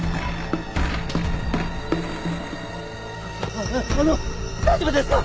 あああの大丈夫ですか？